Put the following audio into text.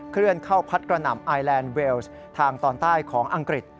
เคลื่อนเข้าพัดกระหน่ำไอแลนด์เวลส์ทางตอนใต้ของอังกฤษ